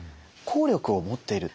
効力を持っている。